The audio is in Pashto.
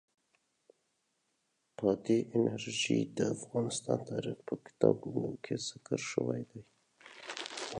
بادي انرژي د افغان تاریخ په کتابونو کې ذکر شوی دي.